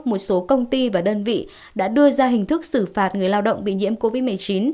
một số công ty và đơn vị đã đưa ra hình thức xử phạt người lao động bị nhiễm covid một mươi chín